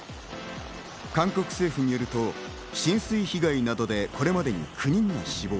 韓国政府によると浸水被害などでこれまでに９人が死亡。